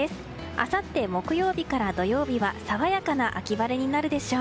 あさって木曜日から土曜日は爽やかな秋晴れになるでしょう。